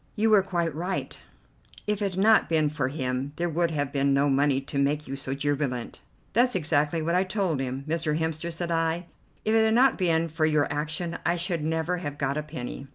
"You were quite right; if it had not been for him there would have been no money to make you so jubilant." "That's exactly what I told him. 'Mr. Hemster' said I, 'if it had not been for your action I should never have got a penny.